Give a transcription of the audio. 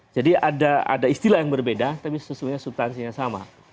jadi ada istilah yang berbeda tapi sesuai suptansinya sama